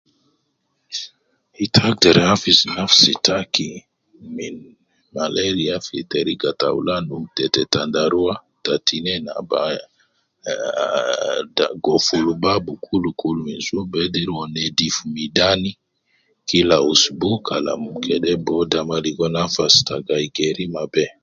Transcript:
Ita agder hafidhi nafsi taki min malaria fi teriga ta aulan numu Tete tandaruwa, te tinin ana eeee te goful Babu kika minsubu bediri Wu nedifu midan Kila usbu Kalam kede booda maa ligo nafas te gayi Geri ma bee.